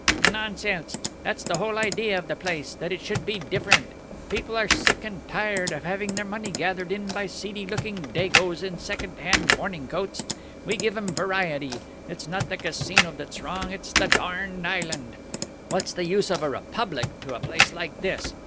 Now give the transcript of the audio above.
"Nonsense! That's the whole idea of the place, that it should be different. People are sick and tired of having their money gathered in by seedy looking Dagoes in second hand morning coats. We give 'em variety. It's not the Casino that's wrong: it's the darned island. What's the use of a republic to a place like this?